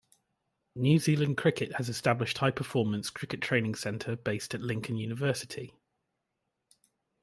New Zealand Cricket has established High Performance Cricket training centre based at Lincoln University.